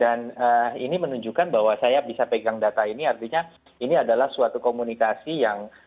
dan ini menunjukkan bahwa saya bisa pegang data ini artinya ini adalah suatu komunikasi yang sangat luar biasa